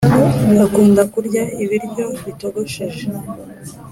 akunda kurya ibiryo bitogosheje